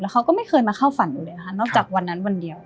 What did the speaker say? เขาก็ไม่เคยมาเข้าฝันหนูเลยค่ะนอกจากวันนั้นวันเดียว